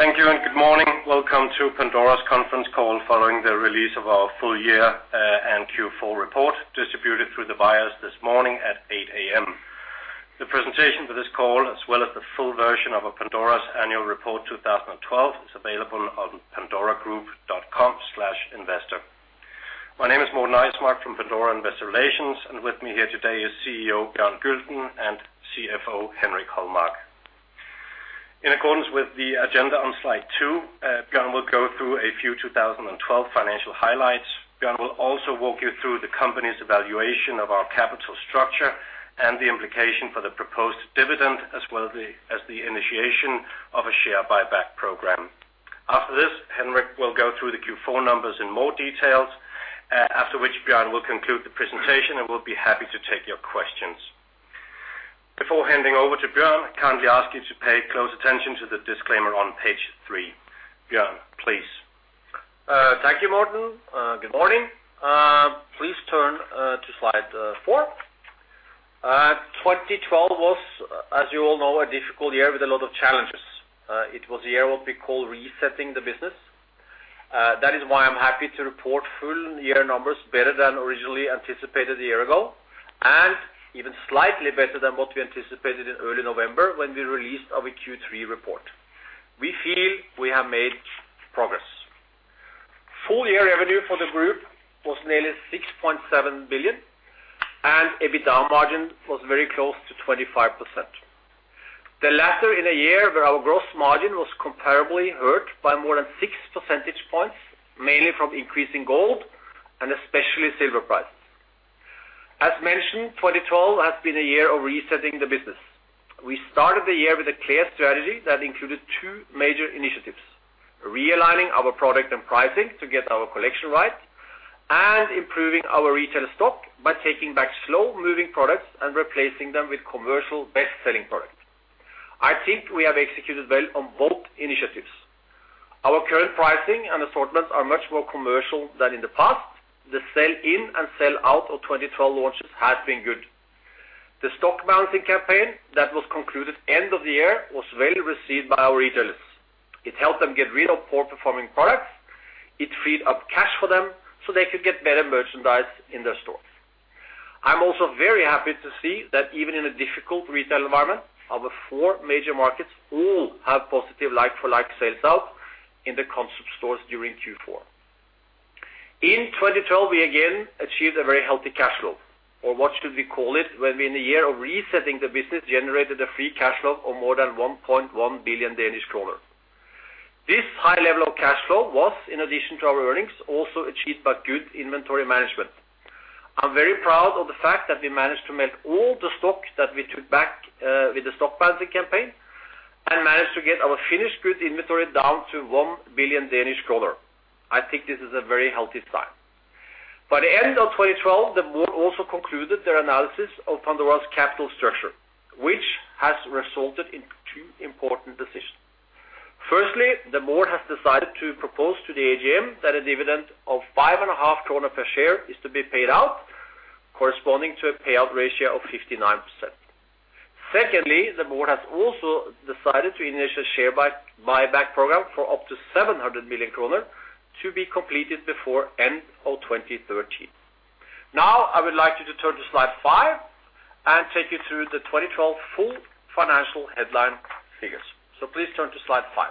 Thank you and good morning. Welcome to Pandora's conference call following the release of our full year and Q4 report distributed through the wires this morning at 8:00 A.M. The presentation for this call, as well as the full version of our Pandora's annual report 2012, is available on pandoragroup.com/investor. My name is Morten Eismark from Pandora Investor Relations, and with me here today is CEO Bjørn Gulden and CFO Henrik Holmark. In accordance with the agenda on slide two, Bjørn will go through a few 2012 financial highlights. Bjørn will also walk you through the company's evaluation of our capital structure and the implication for the proposed dividend, as well as the initiation of a share buyback program. After this, Henrik will go through the Q4 numbers in more details, after which Bjørn will conclude the presentation and will be happy to take your questions. Before handing over to Bjørn, I kindly ask you to pay close attention to the disclaimer on page three. Bjørn, please. Thank you, Morten. Good morning. Please turn to slide 4. 2012 was, as you all know, a difficult year with a lot of challenges. It was a year what we call resetting the business. That is why I'm happy to report full year numbers better than originally anticipated a year ago, and even slightly better than what we anticipated in early November when we released our Q3 report. We feel we have made progress. Full year revenue for the group was nearly 6.7 billion, and EBITDA margin was very close to 25%. The latter in a year where our gross margin was comparably hurt by more than six percentage points, mainly from increasing gold and especially silver prices. As mentioned, 2012 has been a year of resetting the business. We started the year with a clear strategy that included two major initiatives: realigning our product and pricing to get our collection right, and improving our retail stock by taking back slow-moving products and replacing them with commercial best-selling products. I think we have executed well on both initiatives. Our current pricing and assortments are much more commercial than in the past. The sell-in and sell-out of 2012 launches has been good. The stock balancing campaign that was concluded end of the year was well received by our retailers. It helped them get rid of poor-performing products. It freed up cash for them so they could get better merchandise in their stores. I'm also very happy to see that even in a difficult retail environment, our four major markets all have positive like-for-like sales out in the concept stores during Q4. In 2012, we again achieved a very healthy cash flow, or what should we call it when we, in a year of resetting the business, generated a free cash flow of more than 1.1 billion Danish kroner. This high level of cash flow was, in addition to our earnings, also achieved by good inventory management. I'm very proud of the fact that we managed to melt all the stock that we took back with the stock balancing campaign and managed to get our finished goods inventory down to 1 billion Danish kroner. I think this is a very healthy sign. By the end of 2012, the board also concluded their analysis of Pandora's capital structure, which has resulted in two important decisions. Firstly, the board has decided to propose to the AGM that a dividend of 5.5 kroner per share is to be paid out, corresponding to a payout ratio of 59%. Secondly, the board has also decided to initiate a share buyback program for up to 700 million kroner to be completed before end of 2013. Now, I would like you to turn to slide 5 and take you through the 2012 full financial headline figures. Please turn to slide 5.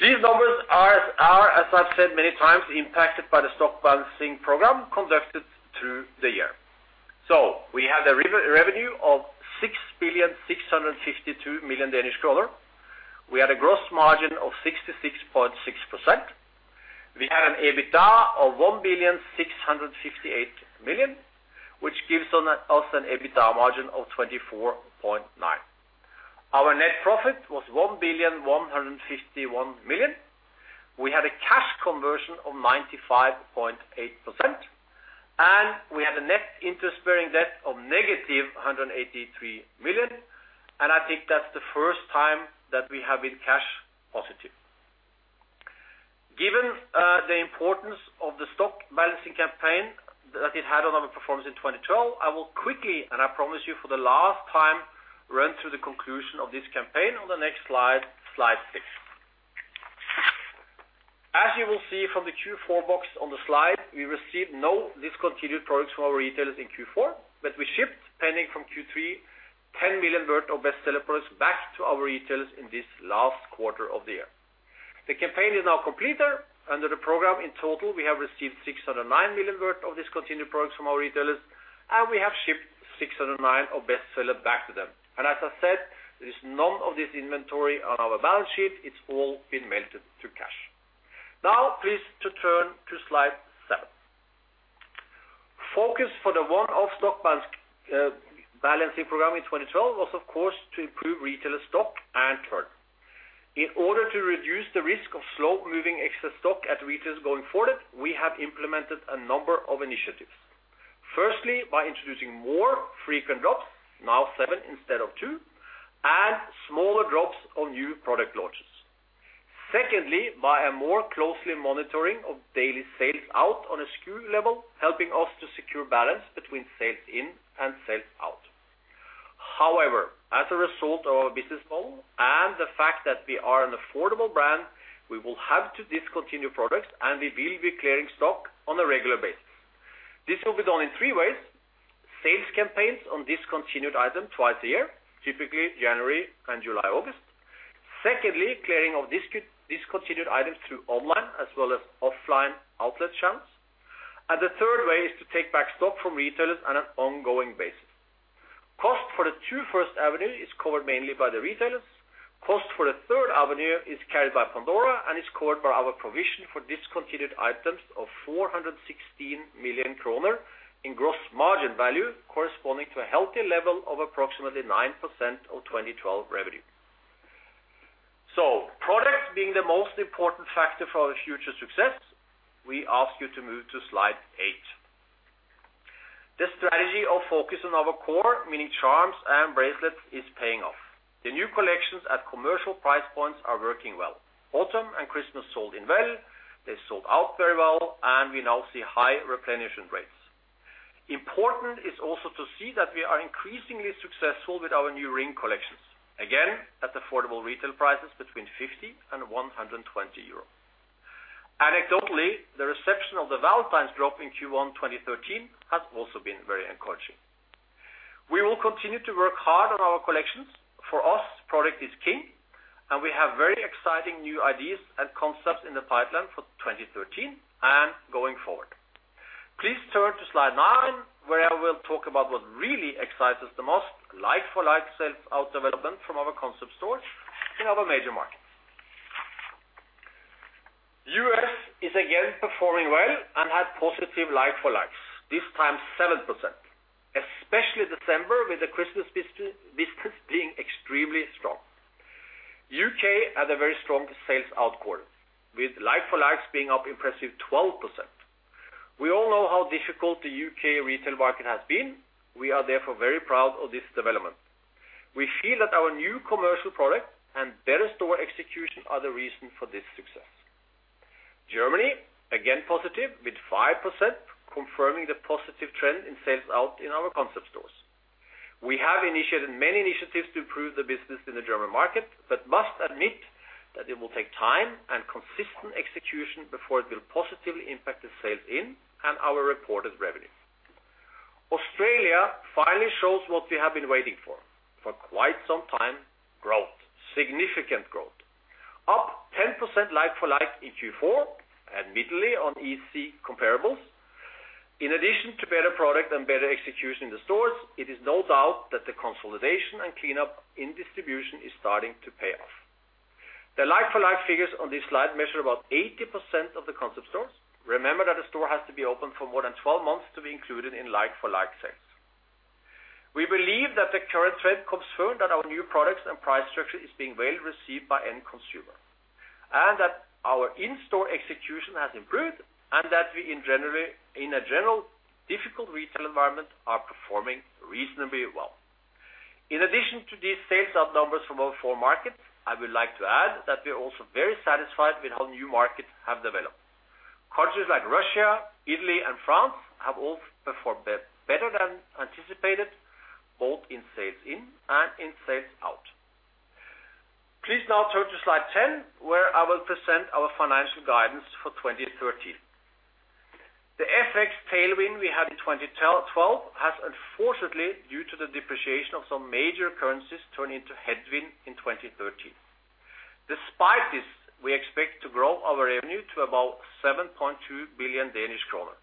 These numbers are, as I've said many times, impacted by the Stock Balancing Program conducted through the year. We had a revenue of 6,652 million Danish kroner. We had a gross margin of 66.6%. We had an EBITDA of 1,658 million, which gives us an EBITDA margin of 24.9%. Our net profit was 1,151 million. We had a cash conversion of 95.8%, and we had a net interest-bearing debt of negative 183 million. And I think that's the first time that we have been cash positive. Given the importance of the stock balancing campaign that it had on our performance in 2012, I will quickly, and I promise you, for the last time, run through the conclusion of this campaign on the next slide, slide 6. As you will see from the Q4 box on the slide, we received no discontinued products from our retailers in Q4, but we shipped, pending from Q3, 10 million worth of best-seller products back to our retailers in this last quarter of the year. The campaign is now complete. Under the program, in total, we have received 609 million worth of discontinued products from our retailers, and we have shipped 609 of best-seller back to them. As I said, there is none of this inventory on our balance sheet. It's all been melted to cash. Now, please turn to slide 7. Focus for the one-off Stock Balancing Program in 2012 was, of course, to improve retailer stock and turn. In order to reduce the risk of slow-moving excess stock at retailers going forward, we have implemented a number of initiatives. Firstly, by introducing more frequent drops, now 7 instead of 2, and smaller drops of new product launches. Secondly, by a more closely monitoring of daily sales out on a SKU level, helping us to secure balance between sales-in and sales-out. However, as a result of our business model and the fact that we are an affordable brand, we will have to discontinue products, and we will be clearing stock on a regular basis. This will be done in three ways: sales campaigns on discontinued items twice a year, typically January and July-August; secondly, clearing of discontinued items through online as well as offline outlet channels; and the third way is to take back stock from retailers on an ongoing basis. Cost for the two first avenues is covered mainly by the retailers. Cost for the third avenue is carried by Pandora and is covered by our provision for discontinued items of 416 million kroner in gross margin value, corresponding to a healthy level of approximately 9% of 2012 revenue. So products being the most important factor for our future success, we ask you to move to slide eight. The strategy of focus on our core, meaning charms and bracelets, is paying off. The new collections at commercial price points are working well. Autumn and Christmas sold in well. They sold out very well, and we now see high replenishment rates. Important is also to see that we are increasingly successful with our new ring collections, again at affordable retail prices between 50-120 euros. Anecdotally, the reception of the Valentine's drop in Q1 2013 has also been very encouraging. We will continue to work hard on our collections. For us, product is king, and we have very exciting new ideas and concepts in the pipeline for 2013 and going forward. Please turn to slide 9, where I will talk about what really excites us the most: like-for-like sales out development from our concept stores in our major markets. U.S. is again performing well and had positive like-for-likes, this time 7%, especially December with the Christmas business being extremely strong. U.K. had a very strong sales out quarter, with like-for-likes being up impressive 12%. We all know how difficult the UK retail market has been. We are therefore very proud of this development. We feel that our new commercial product and better store execution are the reason for this success. Germany, again positive with 5%, confirming the positive trend in sales out in our Concept Stores. We have initiated many initiatives to improve the business in the German market but must admit that it will take time and consistent execution before it will positively impact the sales-in and our reported revenue. Australia finally shows what we have been waiting for for quite some time: growth, significant growth. Up 10% like-for-like in Q4 admittedly on EC comparables. In addition to better product and better execution in the stores, it is no doubt that the consolidation and cleanup in distribution is starting to pay off. The like-for-like figures on this slide measure about 80% of the Concept Stores. Remember that a store has to be open for more than 12 months to be included in like-for-like sales. We believe that the current trend confirms that our new products and price structure is being well received by end consumer, and that our in-store execution has improved, and that we, in a general difficult retail environment, are performing reasonably well. In addition to these sales out numbers from our four markets, I would like to add that we are also very satisfied with how new markets have developed. Countries like Russia, Italy, and France have all performed better than anticipated, both in sales-in and in sales-out. Please now turn to slide 10, where I will present our financial guidance for 2013. The FX tailwind we had in 2012 has, unfortunately, due to the depreciation of some major currencies, turned into headwind in 2013. Despite this, we expect to grow our revenue to about 7.2 billion Danish kroner.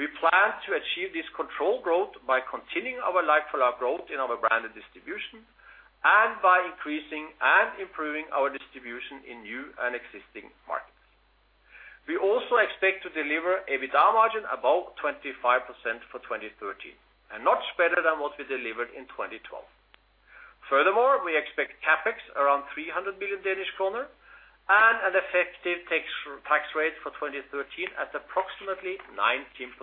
We plan to achieve this controlled growth by continuing our like-for-like growth in our branded distribution and by increasing and improving our distribution in new and existing markets. We also expect to deliver EBITDA margin above 25% for 2013, and much better than what we delivered in 2012. Furthermore, we expect Capex around 300 million Danish kroner and an effective tax rate for 2013 at approximately 19%.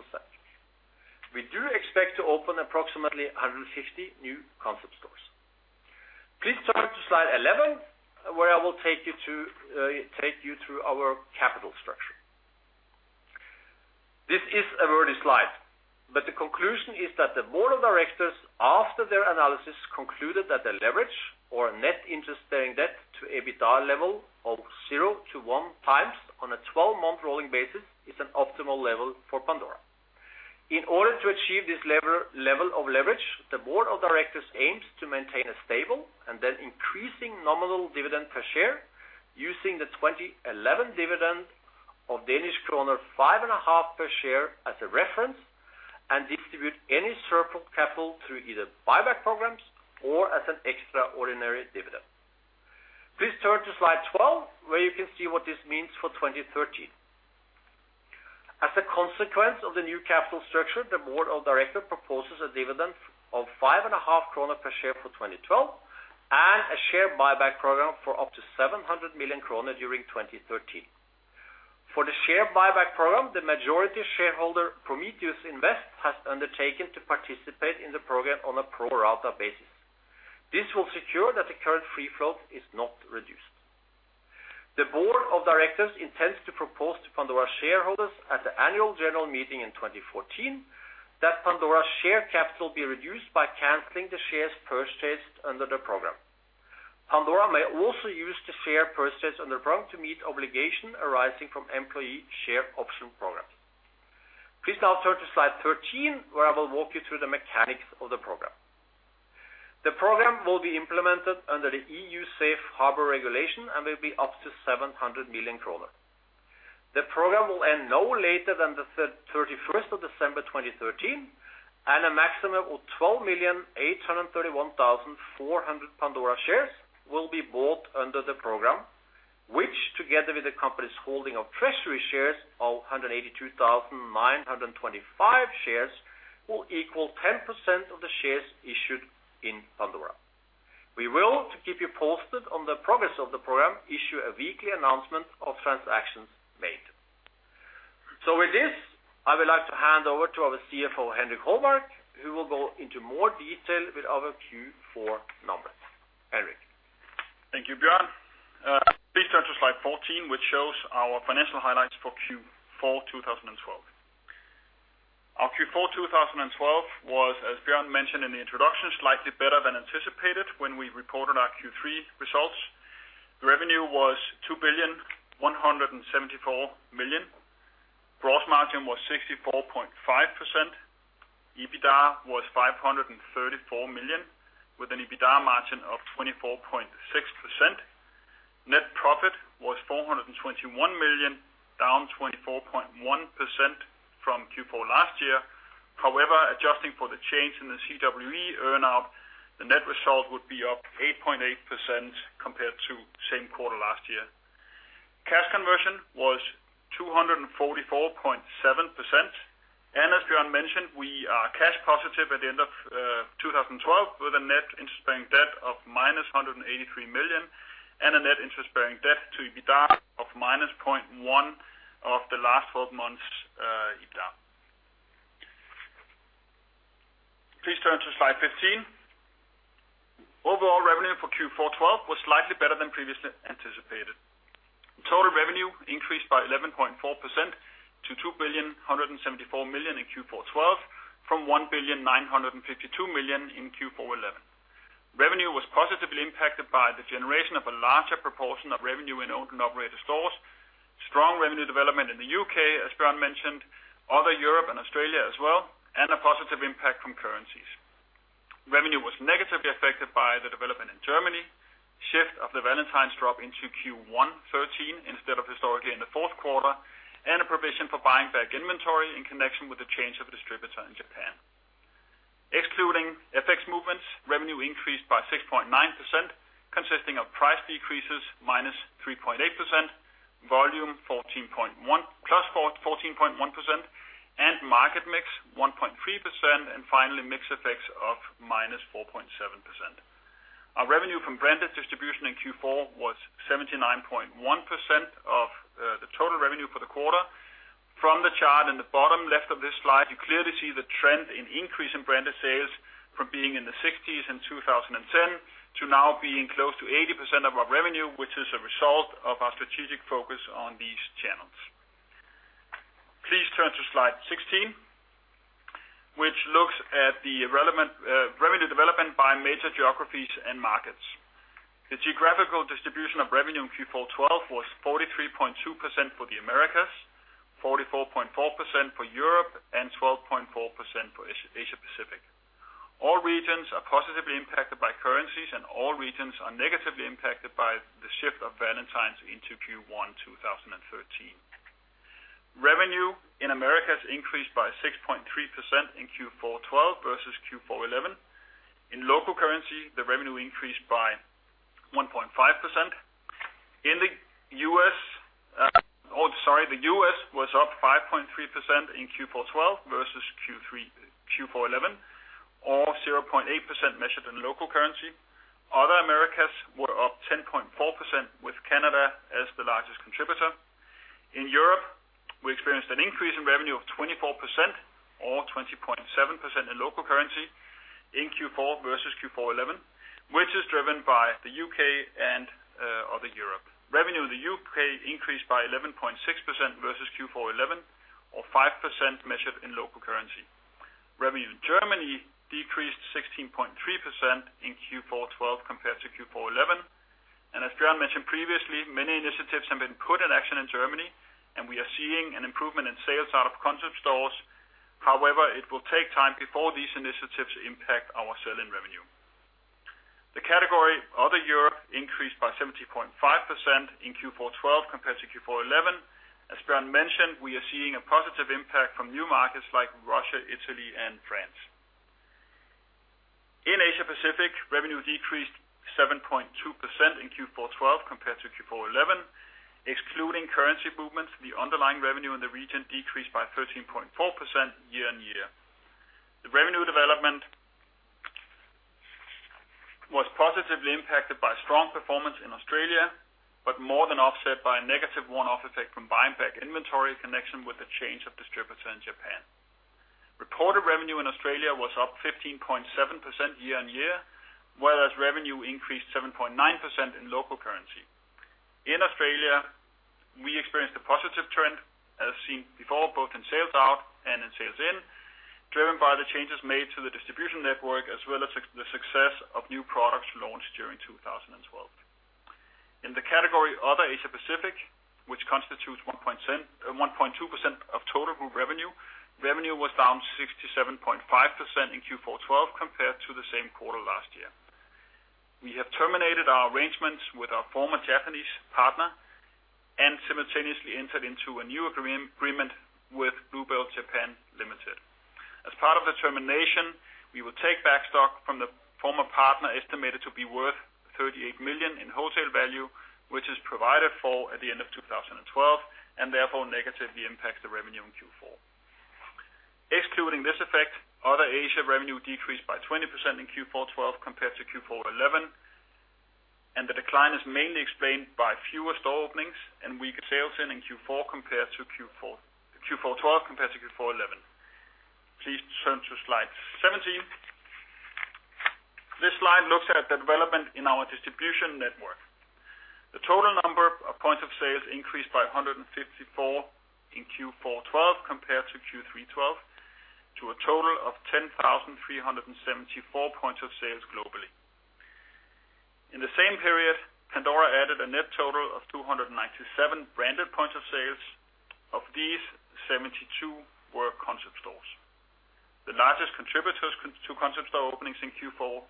We do expect to open approximately 150 new Concept Stores. Please turn to slide 11, where I will take you through our capital structure. This is a wordy slide, but the conclusion is that the board of directors, after their analysis, concluded that the leverage, or net interest-bearing debt, to EBITDA level of 0-1 times on a 12-month rolling basis is an optimal level for Pandora. In order to achieve this level of leverage, the board of directors aims to maintain a stable and then increasing nominal dividend per share using the 2011 dividend of Danish kroner 5.5 per share as a reference and distribute any surplus capital through either buyback programs or as an extraordinary dividend. Please turn to slide 12, where you can see what this means for 2013. As a consequence of the new capital structure, the board of directors proposes a dividend of 5.5 krone per share for 2012 and a share buyback program for up to 700 million krone during 2013. For the share buyback program, the majority shareholder Prometheus Invest has undertaken to participate in the program on a pro-rata basis. This will secure that the current free flow is not reduced. The board of directors intends to propose to Pandora shareholders at the annual general meeting in 2014 that Pandora's share capital be reduced by canceling the shares purchased under the program. Pandora may also use the share purchased under the program to meet obligation arising from employee share option programs. Please now turn to slide 13, where I will walk you through the mechanics of the program. The program will be implemented under the EU Safe Harbor regulation and will be up to 700 million kroner. The program will end no later than the 31st of December 2013, and a maximum of 12,831,400 Pandora shares will be bought under the program, which, together with the company's holding of treasury shares of 182,925 shares, will equal 10% of the shares issued in Pandora. We will, to keep you posted on the progress of the program, issue a weekly announcement of transactions made. So with this, I would like to hand over to our CFO, Henrik Holmark, who will go into more detail with our Q4 numbers. Henrik. Thank you, Bjørn. Please turn to slide 14, which shows our financial highlights for Q4 2012. Our Q4 2012 was, as Bjørn mentioned in the introduction, slightly better than anticipated when we reported our Q3 results. Revenue was 2,174 million. Gross margin was 64.5%. EBITDA was 534 million, with an EBITDA margin of 24.6%. Net profit was 421 million, down 24.1% from Q4 last year. However, adjusting for the change in the CWE earnout, the net result would be up 8.8% compared to same quarter last year. Cash conversion was 244.7%. And as Bjørn mentioned, we are cash positive at the end of 2012 with a net interest-bearing debt of -183 million and a net interest-bearing debt to EBITDA of -0.1% of the last 12 months' EBITDA. Please turn to slide 15. Overall revenue for Q4 2012 was slightly better than previously anticipated. Total revenue increased by 11.4% to 2,174 million in Q4 2012 from 1,952 million in Q4 2011. Revenue was positively impacted by the generation of a larger proportion of revenue in owned and operated stores, strong revenue development in the UK, as Bjørn mentioned, other Europe and Australia as well, and a positive impact from currencies. Revenue was negatively affected by the development in Germany, shift of the Valentine's drop into Q1 2013 instead of historically in the fourth quarter, and a provision for buying back inventory in connection with the change of a distributor in Japan. Excluding FX movements, revenue increased by 6.9%, consisting of price decreases -3.8%, volume +14.1%, and market mix 1.3%, and finally, mixed effects of -4.7%. Our revenue from branded distribution in Q4 was 79.1% of the total revenue for the quarter. From the chart in the bottom left of this slide, you clearly see the trend in increase in branded sales from being in the 60s in 2010 to now being close to 80% of our revenue, which is a result of our strategic focus on these channels. Please turn to slide 16, which looks at the revenue development by major geographies and markets. The geographical distribution of revenue in Q4 2012 was 43.2% for the Americas, 44.4% for Europe, and 12.4% for Asia-Pacific. All regions are positively impacted by currencies, and all regions are negatively impacted by the shift of Valentine's into Q1 2013. Revenue in America has increased by 6.3% in Q4 2012 versus Q4 2011. In local currency, the revenue increased by 1.5%. In the US oh, sorry. The US was up 5.3% in Q4 2012 versus Q4 2011, all 0.8% measured in local currency. Other Americas were up 10.4%, with Canada as the largest contributor. In Europe, we experienced an increase in revenue of 24%, at 20.7% in local currency in Q4 versus Q4 2011, which is driven by the U.K. and Other Europe. Revenue in the U.K. increased by 11.6% versus Q4 2011, at 5% measured in local currency. Revenue in Germany decreased 16.3% in Q4 2012 compared to Q4 2011. As Bjørn mentioned previously, many initiatives have been put in action in Germany, and we are seeing an improvement in sales out of Concept Stores. However, it will take time before these initiatives impact our sell-in revenue. The category Other Europe increased by 70.5% in Q4 2012 compared to Q4 2011. As Bjørn mentioned, we are seeing a positive impact from new markets like Russia, Italy, and France. In Asia-Pacific, revenue decreased 7.2% in Q4 2012 compared to Q4 2011. Excluding currency movements, the underlying revenue in the region decreased by 13.4% year-over-year. The revenue development was positively impacted by strong performance in Australia but more than offset by a negative one-off effect from buying back inventory in connection with the change of distributor in Japan. Reported revenue in Australia was up 15.7% year-over-year, whereas revenue increased 7.9% in local currency. In Australia, we experienced a positive trend as seen before, both in sales out and in sales-in, driven by the changes made to the distribution network as well as the success of new products launched during 2012. In the category other Asia-Pacific, which constitutes 1.2% of total group revenue, revenue was down 67.5% in Q4 2012 compared to the same quarter last year. We have terminated our arrangements with our former Japanese partner and simultaneously entered into a new agreement with Bluebell Japan Ltd. As part of the termination, we will take back stock from the former partner estimated to be worth 38 million in wholesale value, which is provided for at the end of 2012 and therefore negatively impacts the revenue in Q4. Excluding this effect, other Asia revenue decreased by 20% in Q4 2012 compared to Q4 2011, and the decline is mainly explained by fewer store openings and weaker sales-in in Q4 2012 compared to Q4 2011. Please turn to slide 17. This slide looks at the development in our distribution network. The total number of points of sales increased by 154 in Q4 2012 compared to Q3 2012 to a total of 10,374 points of sales globally. In the same period, Pandora added a net total of 297 branded points of sales. Of these, 72 were concept stores. The largest contributors to Concept Store openings in Q4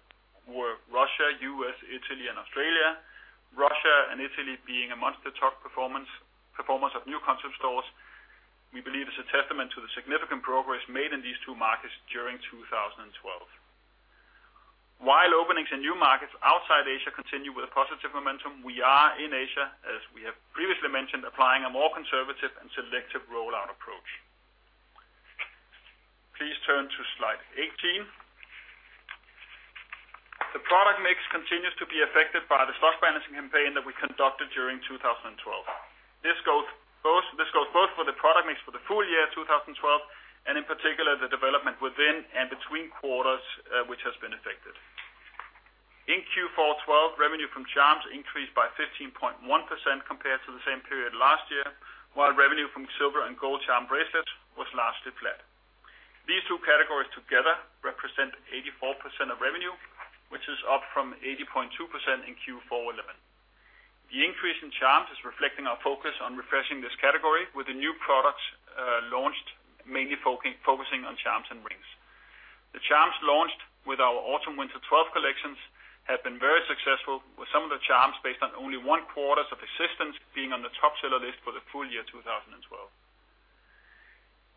were Russia, US, Italy, and Australia. Russia and Italy being a monster-talk performance of new Concept Stores, we believe, is a testament to the significant progress made in these two markets during 2012. While openings in new markets outside Asia continue with a positive momentum, we are in Asia, as we have previously mentioned, applying a more conservative and selective rollout approach. Please turn to slide 18. The product mix continues to be affected by the stock balancing campaign that we conducted during 2012. This goes both for the product mix for the full year 2012 and, in particular, the development within and between quarters, which has been affected. In Q4 2012, revenue from Charms increased by 15.1% compared to the same period last year, while revenue from silver and gold charm bracelets was largely flat. These two categories together represent 84% of revenue, which is up from 80.2% in Q4 2011. The increase in charms is reflecting our focus on refreshing this category with the new products launched, mainly focusing on charms and rings. The charms launched with our autumn-winter 2012 collections have been very successful, with some of the charms based on only one quarter's of existence being on the top seller list for the full year 2012.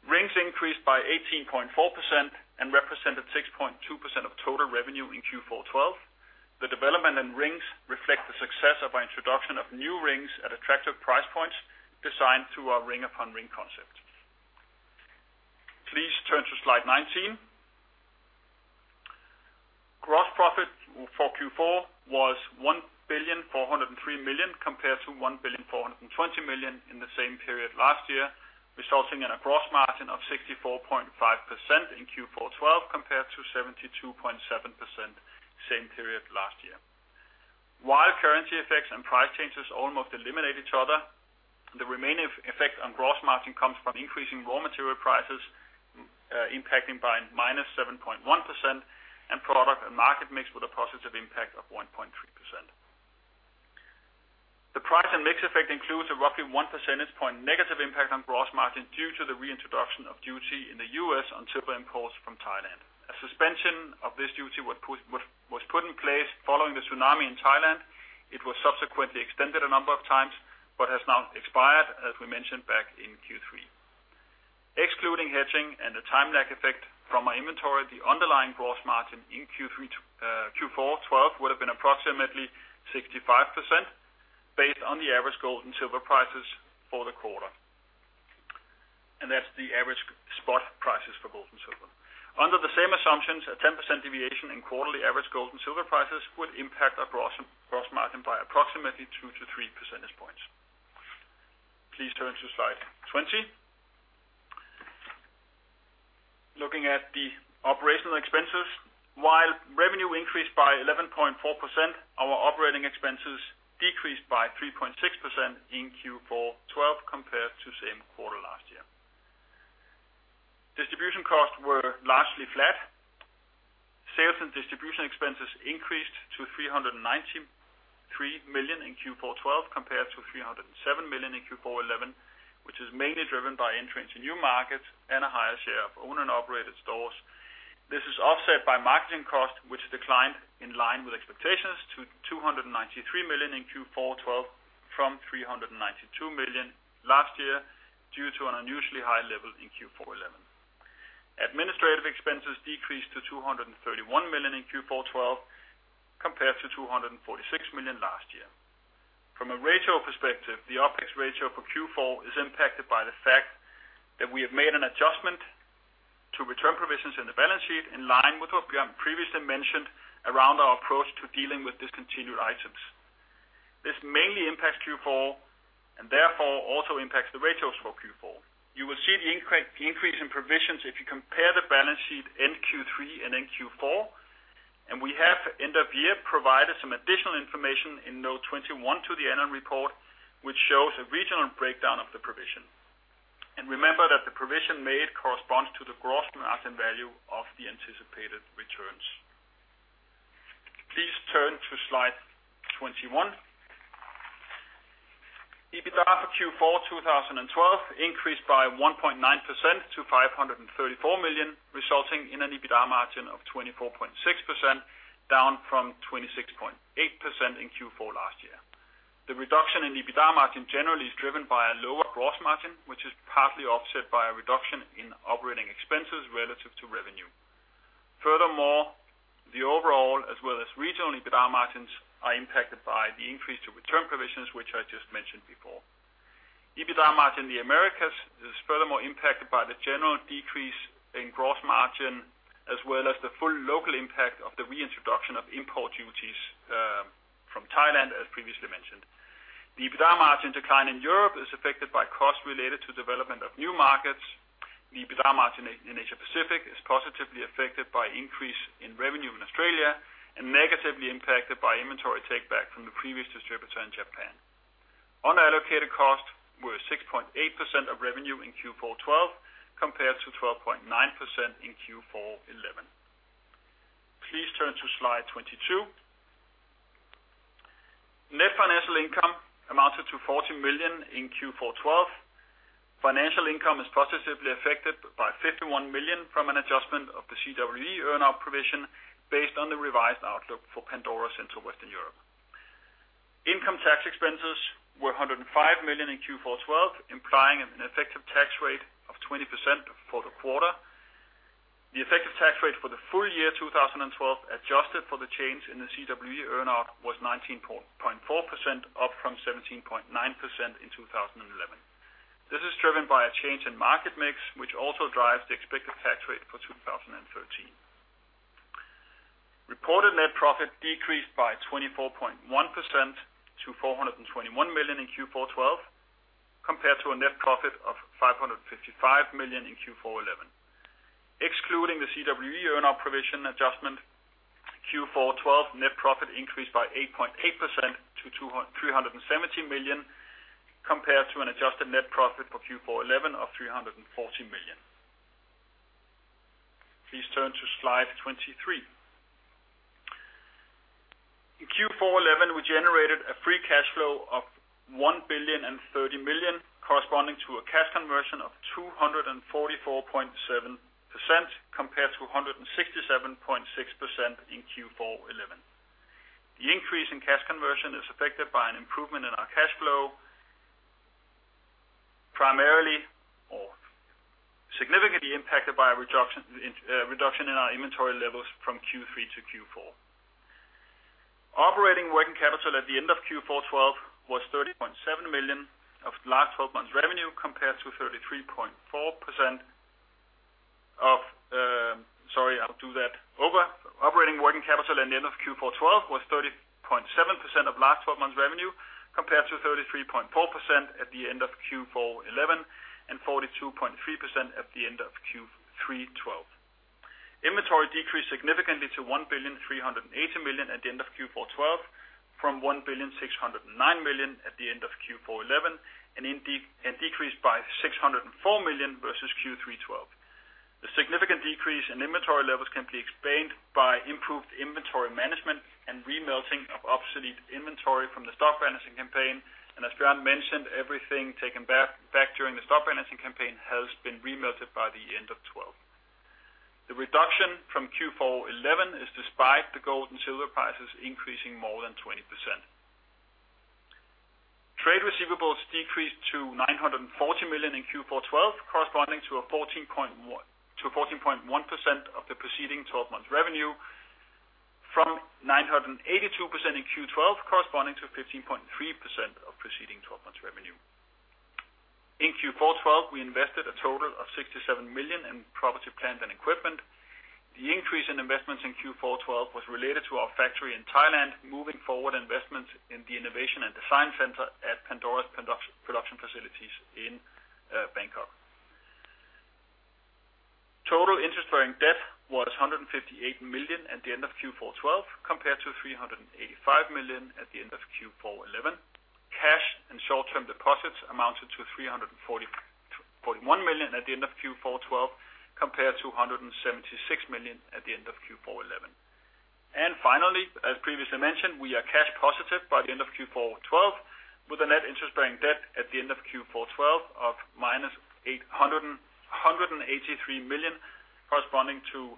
Rings increased by 18.4% and represented 6.2% of total revenue in Q4 2012. The development in rings reflects the success of our introduction of new rings at attractive price points designed through our Ring Upon Ring concept. Please turn to slide 19. Gross profit for Q4 was 1,403 million compared to 1,420 million in the same period last year, resulting in a gross margin of 64.5% in Q4 2012 compared to 72.7% same period last year. While currency effects and price changes almost eliminate each other, the remaining effect on gross margin comes from increasing raw material prices impacting by -7.1% and product and market mix with a positive impact of +1.3%. The price and mix effect includes a roughly 1 percentage point negative impact on gross margin due to the reintroduction of duty in the U.S. on silver imports from Thailand. A suspension of this duty was put in place following the tsunami in Thailand. It was subsequently extended a number of times but has now expired, as we mentioned, back in Q3. Excluding hedging and the time lag effect from our inventory, the underlying gross margin in Q4 2012 would have been approximately 65% based on the average gold and silver prices for the quarter. That's the average spot prices for gold and silver. Under the same assumptions, a 10% deviation in quarterly average gold and silver prices would impact our gross margin by approximately 2-3 percentage points. Please turn to slide 20. Looking at the operational expenses, while revenue increased by 11.4%, our operating expenses decreased by 3.6% in Q4 2012 compared to same quarter last year. Distribution costs were largely flat. Sales and distribution expenses increased to 393 million in Q4 2012 compared to 307 million in Q4 2011, which is mainly driven by entrance in new markets and a higher share of owned and operated stores. This is offset by marketing costs, which declined in line with expectations to 293 million in Q4 2012 from 392 million last year due to an unusually high level in Q4 2011. Administrative expenses decreased to 231 million in Q4 2012 compared to 246 million last year. From a ratio perspective, the OPEX ratio for Q4 is impacted by the fact that we have made an adjustment to return provisions in the balance sheet in line with what Bjørn previously mentioned around our approach to dealing with discontinued items. This mainly impacts Q4 and therefore also impacts the ratios for Q4. You will see the increase in provisions if you compare the balance sheet end Q3 and end Q4. And we have, end of year, provided some additional information in note 21 to the annual report, which shows a regional breakdown of the provision. Remember that the provision made corresponds to the gross margin value of the anticipated returns. Please turn to slide 21. EBITDA for Q4 2012 increased by 1.9% to 534 million, resulting in an EBITDA margin of 24.6%, down from 26.8% in Q4 last year. The reduction in EBITDA margin generally is driven by a lower gross margin, which is partly offset by a reduction in operating expenses relative to revenue. Furthermore, the overall as well as regional EBITDA margins are impacted by the increase to return provisions, which I just mentioned before. EBITDA margin in the Americas is furthermore impacted by the general decrease in gross margin as well as the full local impact of the reintroduction of import duties from Thailand, as previously mentioned. The EBITDA margin decline in Europe is affected by costs related to development of new markets. The EBITDA margin in Asia-Pacific is positively affected by increase in revenue in Australia and negatively impacted by inventory takeback from the previous distributor in Japan. Unallocated costs were 6.8% of revenue in Q4 2012 compared to 12.9% in Q4 2011. Please turn to slide 22. Net financial income amounted to 40 million in Q4 2012. Financial income is positively affected by 51 million from an adjustment of the CWE earnout provision based on the revised outlook for Pandora Central Western Europe. Income tax expenses were 105 million in Q4 2012, implying an effective tax rate of 20% for the quarter. The effective tax rate for the full year 2012 adjusted for the change in the CWE earnout was 19.4%, up from 17.9% in 2011. This is driven by a change in market mix, which also drives the expected tax rate for 2013. Reported net profit decreased by 24.1% to 421 million in Q4 2012 compared to a net profit of 555 million in Q4 2011. Excluding the CWE earnout provision adjustment, Q4 2012 net profit increased by 8.8% to 370 million compared to an adjusted net profit for Q4 2011 of 340 million. Please turn to slide 23. In Q4 2011, we generated a free cash flow of 1.03 billion, corresponding to a cash conversion of 244.7% compared to 167.6% in Q4 2011. The increase in cash conversion is affected by an improvement in our cash flow, primarily or significantly impacted by a reduction in our inventory levels from Q3 to Q4. Operating working capital at the end of Q4 2012 was 30.7 million of last 12 months' revenue compared to 33.4% of Operating working capital at the end of Q4 2012 was 30.7% of last 12 months' revenue compared to 33.4% at the end of Q4 2011 and 42.3% at the end of Q3 2012. Inventory decreased significantly to 1,380 million at the end of Q4 2012 from 1,609 million at the end of Q4 2011 and decreased by 604 million versus Q3 2012. The significant decrease in inventory levels can be explained by improved inventory management and remelting of obsolete inventory from the stock balancing campaign. And as Bjørn mentioned, everything taken back during the stock balancing campaign has been remelted by the end of 2012. The reduction from Q4 2011 is despite the gold and silver prices increasing more than 20%. Trade receivables decreased to 940 million in Q4 2012, corresponding to 14.1% of the preceding 12 months' revenue from 982 million in Q4 2012, corresponding to 15.3% of preceding 12 months' revenue. In Q4 2012, we invested a total of 67 million in property, plant, and equipment. The increase in investments in Q4 2012 was related to our factory in Thailand, moving forward investments in the innovation and design center at Pandora's production facilities in Bangkok. Total interest-bearing debt was 158 million at the end of Q4 2012 compared to 385 million at the end of Q4 2011. Cash and short-term deposits amounted to 341 million at the end of Q4 2012 compared to 176 million at the end of Q4 2011. And finally, as previously mentioned, we are cash positive by the end of Q4 2012 with a net interest-bearing debt at the end of Q4 2012 of DKK -183 million, corresponding to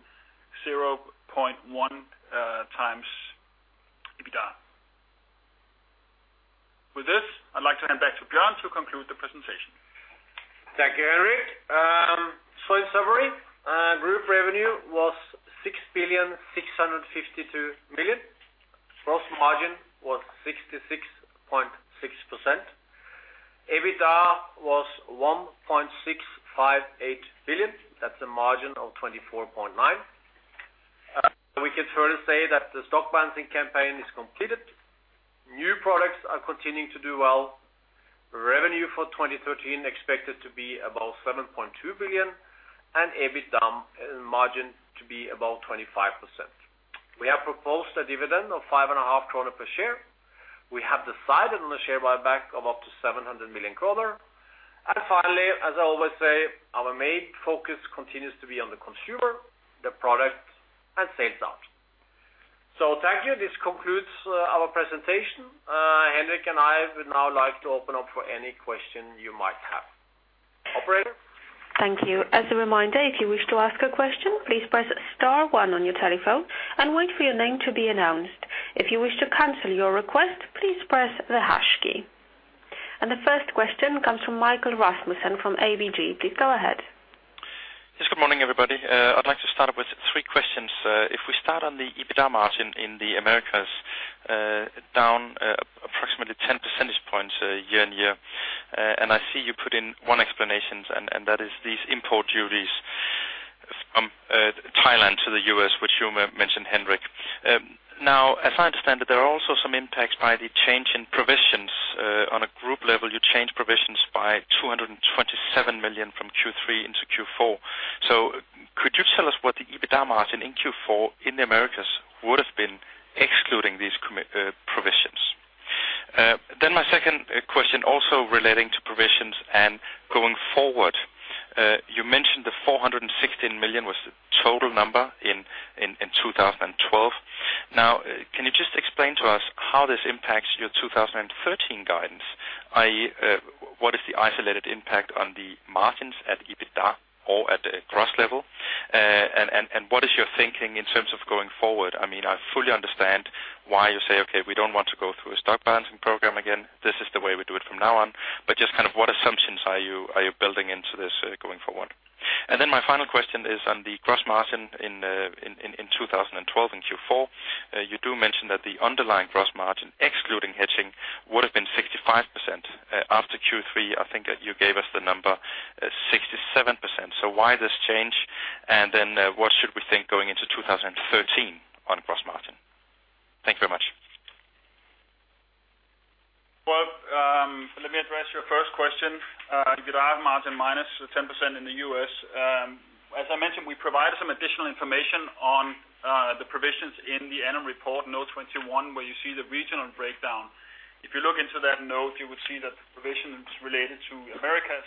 0.1x EBITDA. With this, I'd like to hand back to Bjørn to conclude the presentation. Thank you, Henrik. Slight summary. Group revenue was 6,652 million. Gross margin was 66.6%. EBITDA was 1.658 billion. That's a margin of 24.9%. We can further say that the stock balancing campaign is completed. New products are continuing to do well. Revenue for 2013 expected to be about 7.2 billion and EBITDA margin to be about 25%. We have proposed a dividend of 5.5 kroner per share. We have decided on a share buyback of up to 700 million kroner. And finally, as I always say, our main focus continues to be on the consumer, the product, and sales out. So thank you. This concludes our presentation. Henrik and I would now like to open up for any question you might have. Operator. Thank you. As a reminder, if you wish to ask a question, please press star 1 on your telephone and wait for your name to be announced. If you wish to cancel your request, please press the hash key. And the first question comes from Michael Rasmussen from ABG. Please go ahead. Yes. Good morning, everybody. I'd like to start up with three questions. If we start on the EBITDA margin in the Americas, down approximately 10 percentage points year-on-year. And I see you put in one explanation, and that is these import duties from Thailand to the U.S., which you mentioned, Henrik. Now, as I understand it, there are also some impacts by the change in provisions. On a group level, you changed provisions by 227 million from Q3 into Q4. So could you tell us what the EBITDA margin in Q4 in the Americas would have been excluding these provisions? Then my second question, also relating to provisions and going forward, you mentioned the 416 million was the total number in 2012. Now, can you just explain to us how this impacts your 2013 guidance, i.e., what is the isolated impact on the margins at EBITDA or at the gross level? And what is your thinking in terms of going forward? I mean, I fully understand why you say, "Okay, we don't want to go through a stock balancing program again. This is the way we do it from now on." But just kind of what assumptions are you building into this going forward? And then my final question is on the gross margin in 2012 and Q4. You do mention that the underlying gross margin excluding hedging would have been 65%. After Q3, I think you gave us the number 67%. So why this change? And then what should we think going into 2013 on gross margin? Thank you very much. Well, let me address your first question. EBITDA margin -10% in the U.S. As I mentioned, we provided some additional information on the provisions in the annual report, note 21, where you see the regional breakdown. If you look into that note, you would see that provisions related to Americas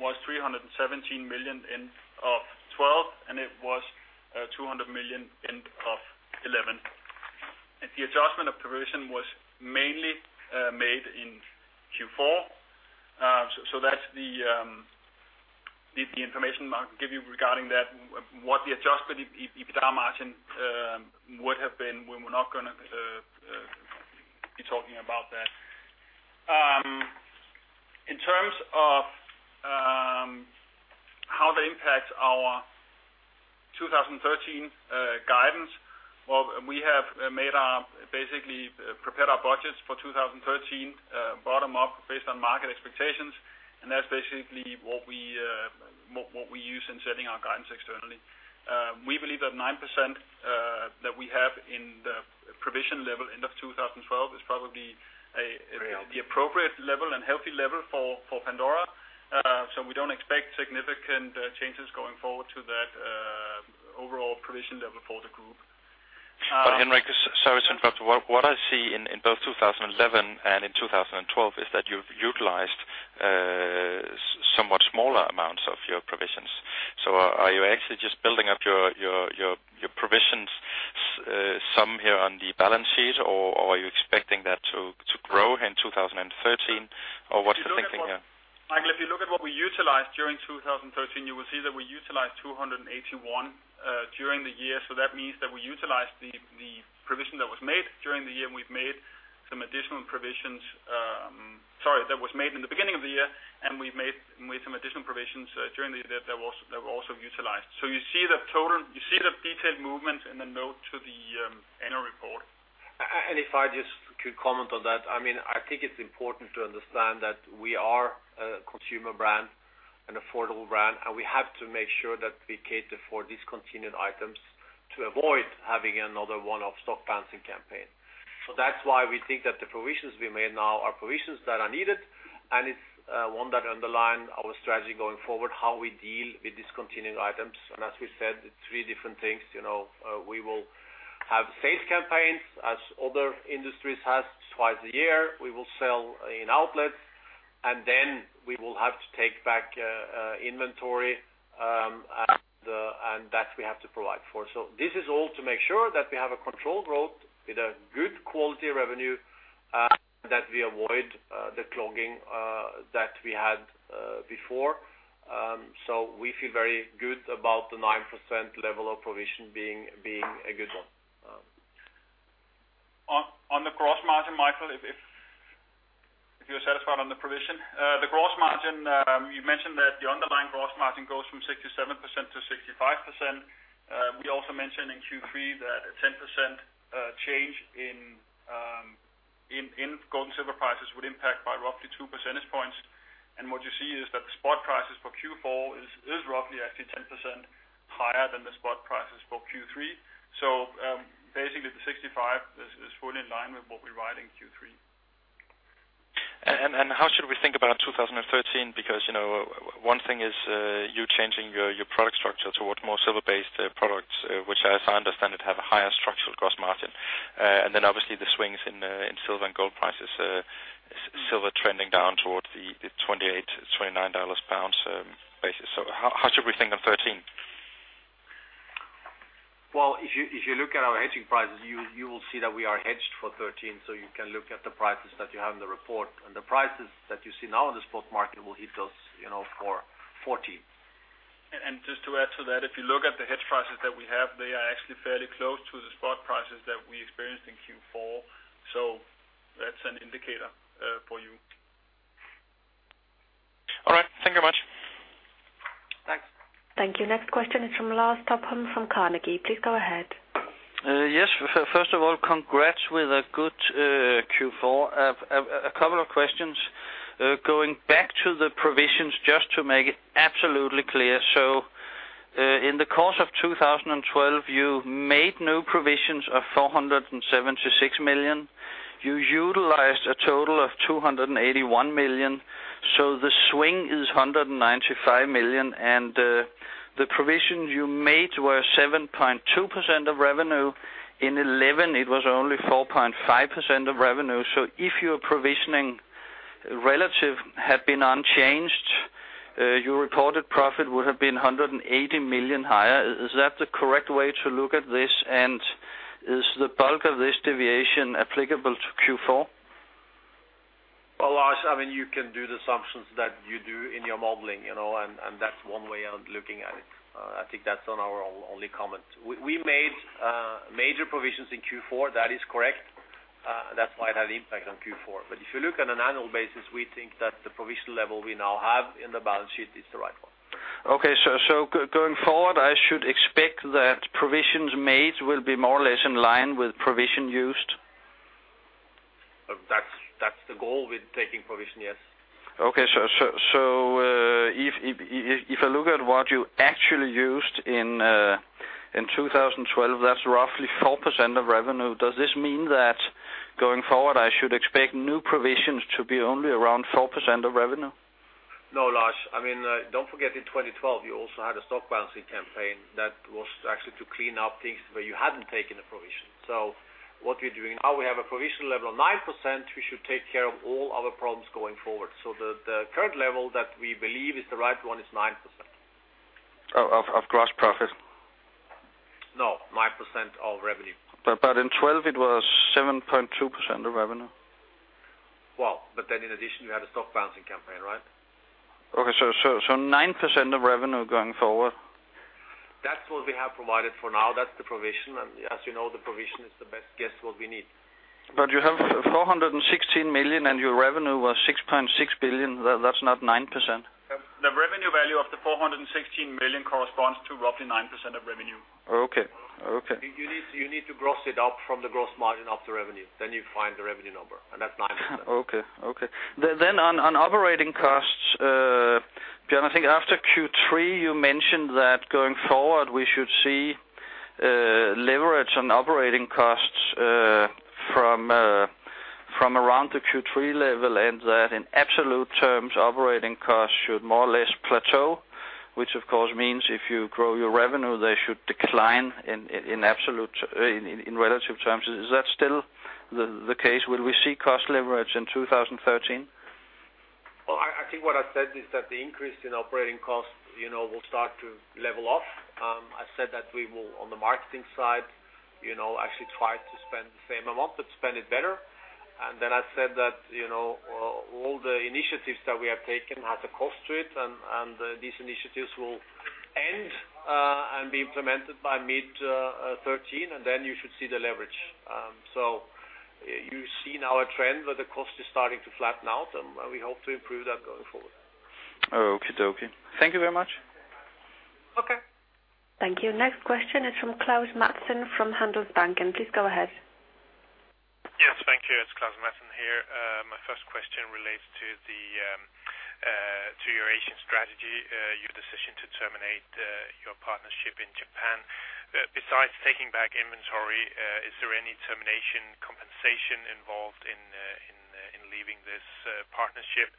was 317 million end of 2012, and it was 200 million end of 2011. The adjustment of provision was mainly made in Q4. That's the information I can give you regarding that, what the adjusted EBITDA margin would have been. We were not going to be talking about that. In terms of how that impacts our 2013 guidance, well, we have basically prepared our budgets for 2013 bottom-up based on market expectations. That's basically what we use in setting our guidance externally. We believe that 9% that we have in the provision level, end of 2012 is probably the appropriate level and healthy level for Pandora. We don't expect significant changes going forward to that overall provision level for the group. But Henrik, sorry to interrupt. What I see in both 2011 and in 2012 is that you've utilized somewhat smaller amounts of your provisions. So are you actually just building up your provisions some here on the balance sheet, or are you expecting that to grow in 2013? Or what's the thinking here? Michael, if you look at what we utilized during 2013, you will see that we utilized 281 during the year. So that means that we utilized the provision that was made during the year, and we've made some additional provisions sorry, that was made in the beginning of the year, and we've made some additional provisions during the year that were also utilized. So you see the total you see the detailed movements in the note to the annual report. If I just could comment on that, I mean, I think it's important to understand that we are a consumer brand, an affordable brand, and we have to make sure that we cater for discontinued items to avoid having another one-off stock balancing campaign. So that's why we think that the provisions we made now are provisions that are needed, and it's one that underlines our strategy going forward, how we deal with discontinued items. And as we said, it's three different things. We will have sales campaigns, as other industries have, twice a year. We will sell in outlets. And then we will have to take back inventory, and that we have to provide for. So this is all to make sure that we have a controlled growth with a good quality of revenue and that we avoid the clogging that we had before. So we feel very good about the 9% level of provision being a good one. On the gross margin, Michael, if you're satisfied on the provision the gross margin, you mentioned that the underlying gross margin goes from 67%-65%. We also mentioned in Q3 that a 10% change in gold and silver prices would impact by roughly 2 percentage points. And what you see is that the spot prices for Q4 is roughly actually 10% higher than the spot prices for Q3. So basically, the 65 is fully in line with what we write in Q3. And how should we think about 2013? Because one thing is you changing your product structure towards more silver-based products, which as I understand it, have a higher structural gross margin. And then obviously, the swings in silver and gold prices, silver trending down towards the 28-29 dollars-pounds basis. So how should we think on 2013? Well, if you look at our hedging prices, you will see that we are hedged for 2013. So you can look at the prices that you have in the report. And the prices that you see now in the spot market will hit us for 2014. And just to add to that, if you look at the hedge prices that we have, they are actually fairly close to the spot prices that we experienced in Q4. So that's an indicator for you. All right. Thank you very much. Thanks. Thank you. Next question is from Lars Topholm from Carnegie. Please go ahead. Yes. First of all, congrats with a good Q4. A couple of questions. Going back to the provisions, just to make it absolutely clear. So in the course of 2012, you made new provisions of 476 million. You utilized a total of 281 million. So the swing is 195 million. And the provisions you made were 7.2% of revenue. In 2011, it was only 4.5% of revenue. So if your provisioning relative had been unchanged, your reported profit would have been 180 million higher. Is that the correct way to look at this? And is the bulk of this deviation applicable to Q4? Well, Lars, I mean, you can do the assumptions that you do in your modeling, and that's one way of looking at it. I think that's our only comment. We made major provisions in Q4. That is correct. That's why it had impact on Q4. But if you look on an annual basis, we think that the provision level we now have in the balance sheet is the right one. Okay. So going forward, I should expect that provisions made will be more or less in line with provision used? That's the goal with taking provision, yes. Okay. So if I look at what you actually used in 2012, that's roughly 4% of revenue. Does this mean that going forward, I should expect new provisions to be only around 4% of revenue? No, Lars. I mean, don't forget in 2012, you also had a stock balancing campaign that was actually to clean up things where you hadn't taken a provision. So what we're doing now, we have a provision level of 9%. We should take care of all our problems going forward. So the current level that we believe is the right one is 9%. Of gross profit? No, 9% of revenue. But in 2012, it was 7.2% of revenue? Well, but then in addition, you had a stock balancing campaign, right? Okay. So 9% of revenue going forward? That's what we have provided for now. That's the provision. And as you know, the provision is the best guess what we need. But you have 416 million, and your revenue was 6.6 billion. That's not 9%. The revenue value of the 416 million corresponds to roughly 9% of revenue. You need to gross it up from the gross margin up to revenue. Then you find the revenue number. And that's 9%. Okay. Okay. Then on operating costs, Bjørn, I think after Q3, you mentioned that going forward, we should see leverage on operating costs from around the Q3 level and that in absolute terms, operating costs should more or less plateau, which of course means if you grow your revenue, they should decline in relative terms. Is that still the case? Will we see cost leverage in 2013? Well, I think what I said is that the increase in operating costs will start to level off. I said that we will, on the marketing side, actually try to spend the same amount but spend it better. And then I said that all the initiatives that we have taken have a cost to it. And these initiatives will end and be implemented by mid-2013. And then you should see the leverage. So you've seen our trend where the cost is starting to flatten out. And we hope to improve that going forward. Oh, okie, dokie. Thank you very much. Okay. Thank you. Next question is from Klaus Madsen from Handelsbanken. Please go ahead. Yes. Thank you. It's Klaus Madsen here. My first question relates to your Asian strategy, your decision to terminate your partnership in Japan. Besides taking back inventory, is there any termination compensation involved in leaving this partnership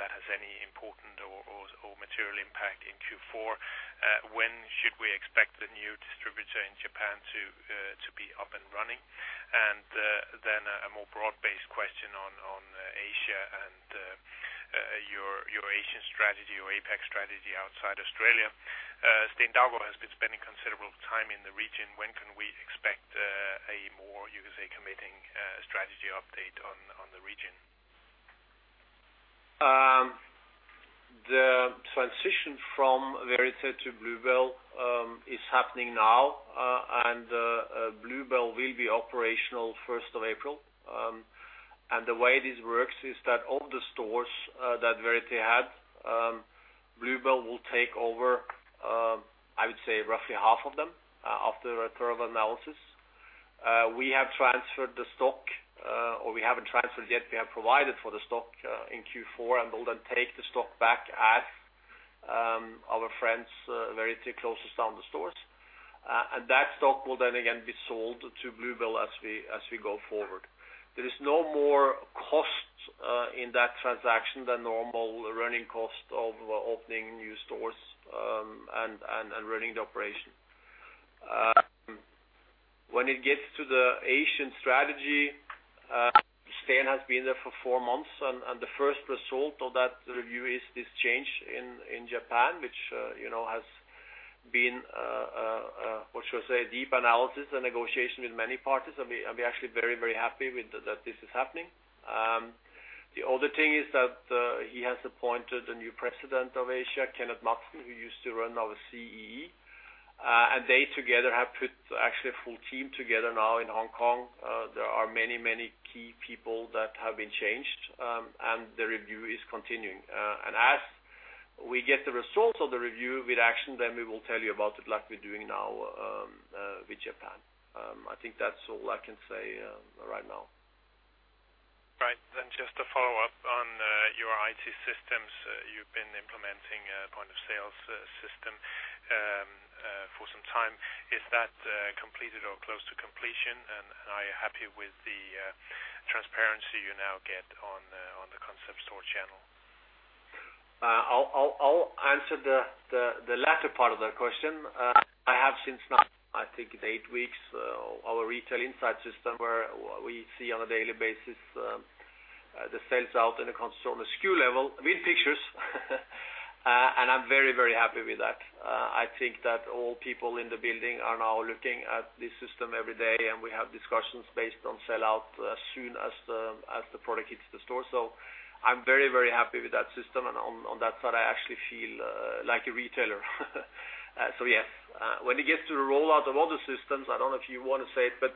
that has any important or material impact in Q4? When should we expect the new distributor in Japan to be up and running? And then a more broad-based question on Asia and your Asian strategy, your APEC strategy outside Australia. Sten Daugaard has been spending considerable time in the region. When can we expect a more, you could say, committing strategy update on the region? The transition from Verité to Bluebell is happening now. And Bluebell will be operational 1st of April. And the way this works is that all the stores that Verité had, Bluebell will take over, I would say, roughly half of them after a thorough analysis. We have transferred the stock or we haven't transferred yet. We have provided for the stock in Q4 and will then take the stock back as our friends, Verité, closes down the stores. That stock will then again be sold to Bluebell as we go forward. There is no more cost in that transaction than normal running cost of opening new stores and running the operation. When it gets to the Asian strategy, Sten has been there for four months. The first result of that review is this change in Japan, which has been what should I say, a deep analysis and negotiation with many parties. We're actually very, very happy that this is happening. The other thing is that he has appointed a new president of Asia, Kenneth Madsen, who used to run our CEE. They together have put actually a full team together now in Hong Kong. There are many, many key people that have been changed. The review is continuing. As we get the results of the review with action, then we will tell you about it like we're doing now with Japan. I think that's all I can say right now. Right. Just to follow up on your IT systems, you've been implementing a point-of-sale system for some time. Is that completed or close to completion? Are you happy with the transparency you now get on the Concept Store channel? I'll answer the latter part of that question. I have since now, I think, 8 weeks, our Retail Insight system where we see on a daily basis the sales out in the consultant SKU level with pictures. I'm very, very happy with that. I think that all people in the building are now looking at this system every day. And we have discussions based on sellout as soon as the product hits the store. So I'm very, very happy with that system. And on that side, I actually feel like a retailer. So yes. When it gets to the rollout of other systems, I don't know if you want to say it, but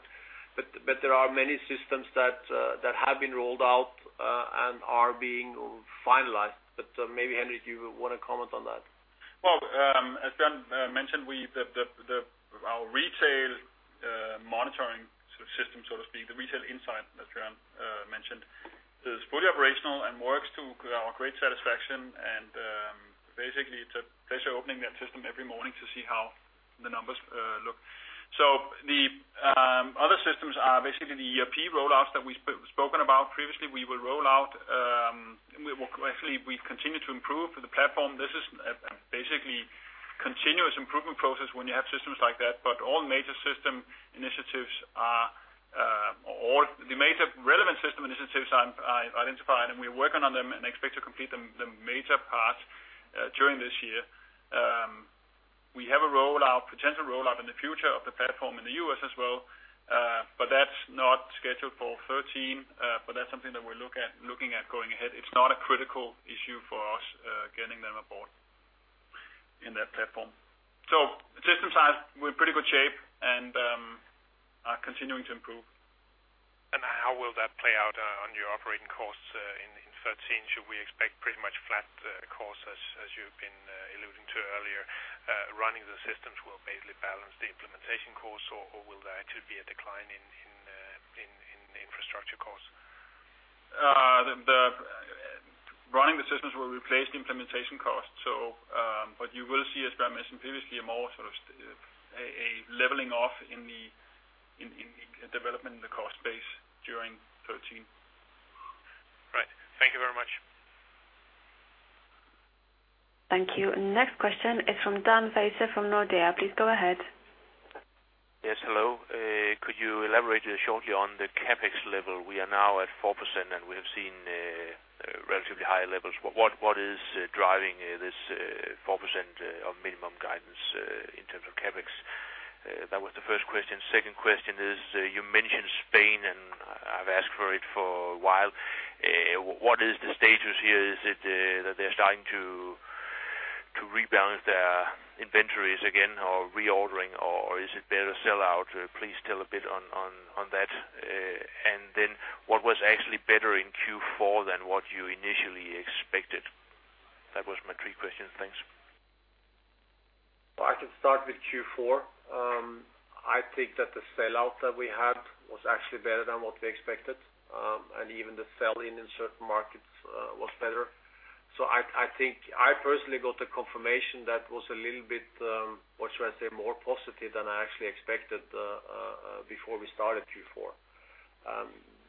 there are many systems that have been rolled out and are being finalized. But maybe, Henrik, you would want to comment on that. Well, as Björn mentioned, our retail monitoring system, so to speak, the Retail Insight that Björn mentioned, is fully operational and works to our great satisfaction. And basically, it's a pleasure opening that system every morning to see how the numbers look. So the other systems are basically the ERP rollouts that we've spoken about previously. We will roll out actually, we continue to improve the platform. This is basically a continuous improvement process when you have systems like that. But all major system initiatives are all the major relevant system initiatives I've identified. And we're working on them and expect to complete the major parts during this year. We have a rollout, potential rollout in the future of the platform in the U.S. as well. But that's not scheduled for 2013. But that's something that we're looking at going ahead. It's not a critical issue for us getting them aboard in that platform. So system size, we're in pretty good shape and are continuing to improve. And how will that play out on your operating costs in 2013? Should we expect pretty much flat costs as you've been alluding to earlier? Running the systems will basically balance the implementation costs, or will there actually be a decline in infrastructure costs? Running the systems will replace the implementation costs. But you will see, as Bjørn mentioned previously, a more sort of a leveling off in the development in the cost base during 2013. Right. Thank you very much. Thank you. Next question is from Dan Friis from Nordea Markets. Please go ahead. Yes. Hello. Could you elaborate shortly on the CapEx level? We are now at 4%. And we have seen relatively high levels. What is driving this 4% of minimum guidance in terms of CapEx? That was the first question. Second question is you mentioned Spain. And I've asked for it for a while. What is the status here? Is it that they're starting to rebalance their inventories again or reordering? Or is it better sellout? Please tell a bit on that. And then what was actually better in Q4 than what you initially expected? That was my three questions. Thanks. Well, I can start with Q4. I think that the sellout that we had was actually better than what we expected. And even the sell-in in certain markets was better. So I think I personally got the confirmation that was a little bit, what should I say, more positive than I actually expected before we started Q4.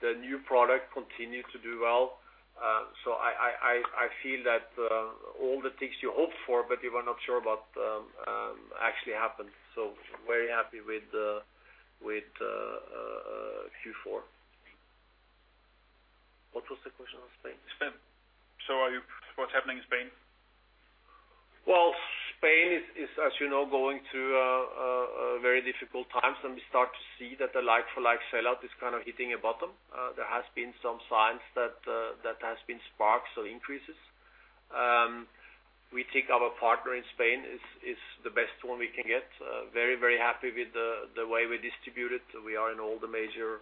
The new product continued to do well. So I feel that all the things you hoped for but you were not sure about actually happened. So very happy with Q4. What was the question on Spain? Spain. So what's happening in Spain? Well, Spain is, as you know, going through very difficult times. And we start to see that the like-for-like sellout is kind of hitting a bottom. There has been some signs that there has been sparks or increases. We think our partner in Spain is the best one we can get. Very, very happy with the way we distributed. We are in all the major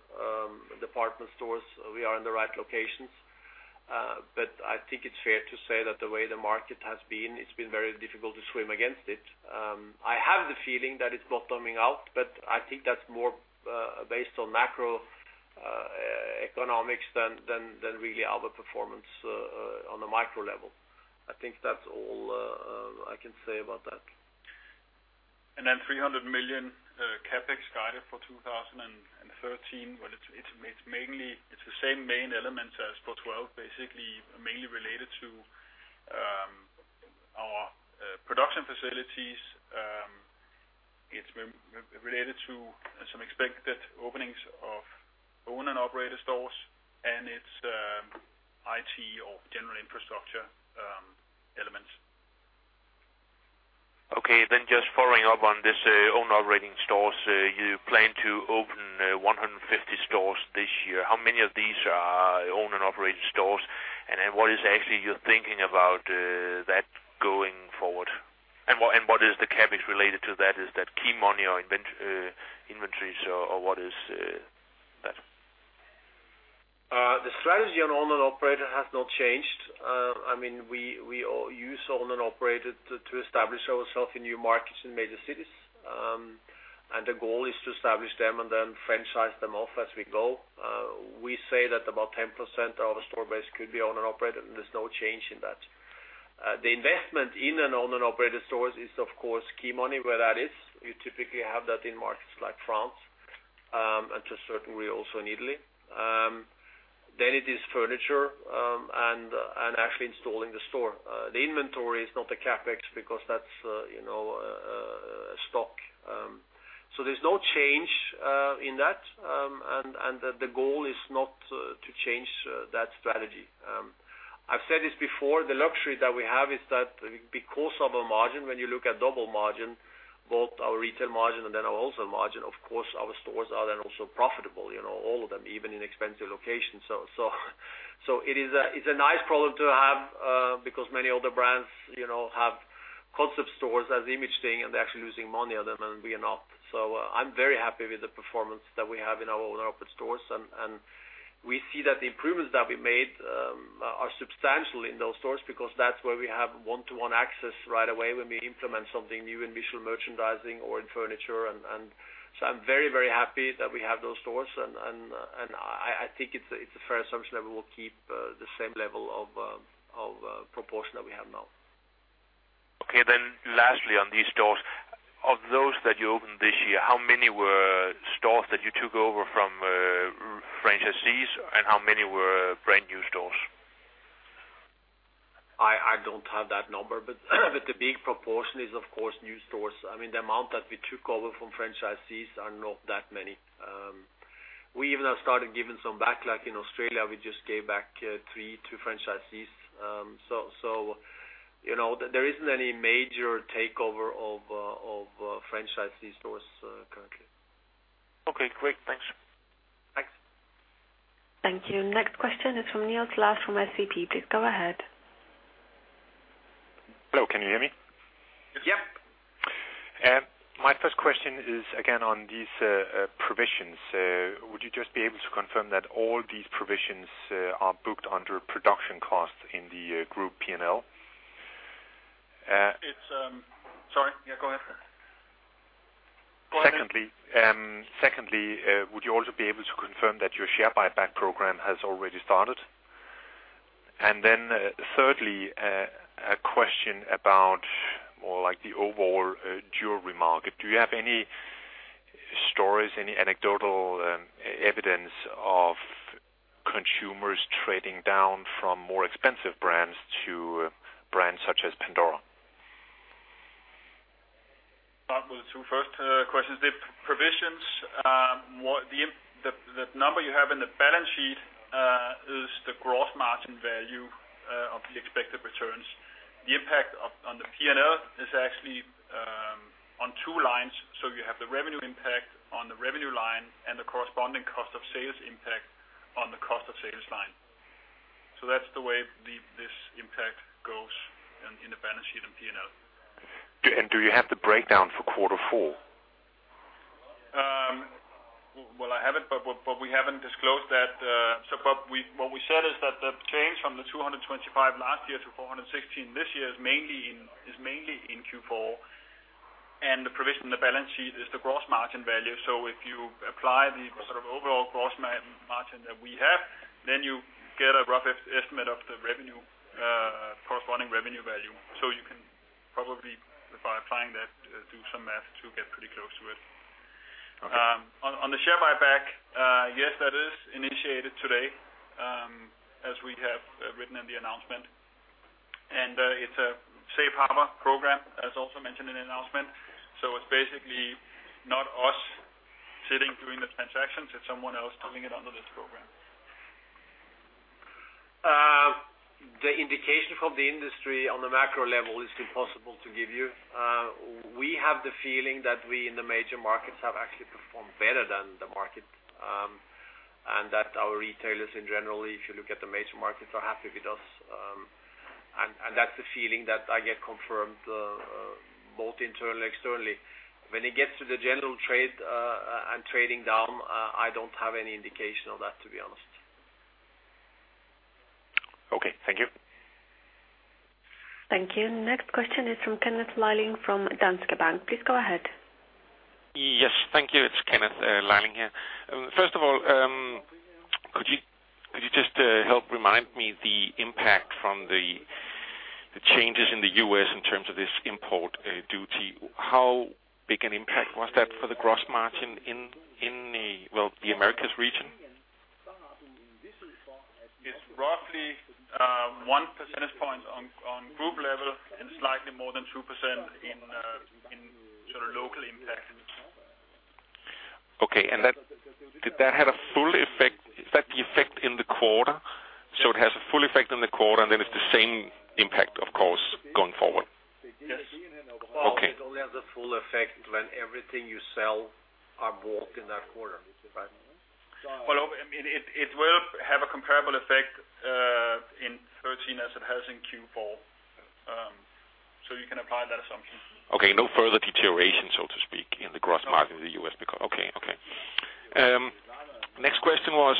department stores. We are in the right locations. But I think it's fair to say that the way the market has been, it's been very difficult to swim against it. I have the feeling that it's bottoming out. But I think that's more based on macroeconomics than really our performance on the micro level. I think that's all I can say about that. And then 300 million CapEx guided for 2013. Well, it's the same main elements as for 2012, basically, mainly related to our production facilities. It's related to some expected openings of own-and-operated stores. And it's IT or general infrastructure elements. Okay. Then just following up on this own-and-operated stores, you plan to open 150 stores this year. How many of these are own-and-operated stores? And then what is actually your thinking about that going forward? And what is the CapEx related to that? Is that key money or inventories, or what is that? The strategy on own-and-operated has not changed. I mean, we use own-and-operated to establish ourselves in new markets in major cities. And the goal is to establish them and then franchise them off as we go. We say that about 10% of our store base could be own-and-operated. And there's no change in that. The investment in an own-and-operated store is, of course, key money, where that is. You typically have that in markets like France and to a certain degree also in Italy. Then it is furniture and actually installing the store. The inventory is not the CapEx because that's a stock. So there's no change in that. And the goal is not to change that strategy. I've said this before. The luxury that we have is that because of our margin, when you look at double margin, both our retail margin and then our wholesale margin, of course, our stores are then also profitable, all of them, even in expensive locations. So it is a nice problem to have because many other brands have Concept Stores as image thing. And they're actually losing money on them. And we are not. So I'm very happy with the performance that we have in our own-and-operated stores. And we see that the improvements that we made are substantial in those stores because that's where we have one-to-one access right away when we implement something new in visual merchandising or in furniture. And so I'm very, very happy that we have those stores. I think it's a fair assumption that we will keep the same level of proportion that we have now. Okay. Then lastly, on these stores, of those that you opened this year, how many were stores that you took over from franchisees? And how many were brand-new stores? I don't have that number. But the big proportion is, of course, new stores. I mean, the amount that we took over from franchisees are not that many. We even have started giving some back. Like in Australia, we just gave back 3 to franchisees. So there isn't any major takeover of franchisee stores currently. Okay. Great. Thanks. Thanks. Thank you. Next question is from Niels Leth from SEB. Please go ahead. Hello. Can you hear me? Yep. And my first question is, again, on these provisions. Would you just be able to confirm that all these provisions are booked under production costs in the group P&L? Sorry. Yeah. Go ahead. Go ahead. Secondly, would you also be able to confirm that your share buyback program has already started? And then thirdly, a question about more like the overall jewelry market. Do you have any stories, any anecdotal evidence of consumers trading down from more expensive brands to brands such as Pandora? Start with the two first questions. The provisions, the number you have in the balance sheet is the gross margin value of the expected returns. The impact on the P&L is actually on two lines. So you have the revenue impact on the revenue line and the corresponding cost of sales impact on the cost of sales line. So that's the way this impact goes in the balance sheet and P&L. Do you have the breakdown for quarter four? Well, I have it. We haven't disclosed that. What we said is that the change from 225 last year to 416 this year is mainly in Q4. The provision in the balance sheet is the gross margin value. If you apply the sort of overall gross margin that we have, then you get a rough estimate of the corresponding revenue value. You can probably, by applying that, do some math to get pretty close to it. On the share buyback, yes, that is initiated today, as we have written in the announcement. It's a safe harbor program, as also mentioned in the announcement. It's basically not us sitting doing the transactions. It's someone else doing it under this program. The indication from the industry on the macro level is impossible to give you. We have the feeling that we in the major markets have actually performed better than the market. And that our retailers, in general, if you look at the major markets, are happy with us. And that's the feeling that I get confirmed both internally and externally. When it gets to the general trade and trading down, I don't have any indication of that, to be honest. Okay. Thank you. Thank you. Next question is from Kenneth Leiling from Danske Bank. Please go ahead. Yes. Thank you. It's Kenneth Leiling here. First of all, could you just help remind me the impact from the changes in the U.S. in terms of this import duty? How big an impact was that for the gross margin in, well, the Americas region? It's roughly 1 percentage point on group level and slightly more than 2% in sort of local impact. Okay. Did that have a full effect? Is that the effect in the quarter? So it has a full effect in the quarter. And then it's the same impact, of course, going forward? Yes. Okay. It only has a full effect when everything you sell are bought in that quarter, right? Well, I mean, it will have a comparable effect in 2013 as it has in Q4. So you can apply that assumption. Okay. No further deterioration, so to speak, in the gross margin of the U.S. because okay. Okay. Next question was